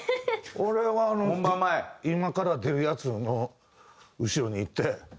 俺は今から出るヤツの後ろに行って。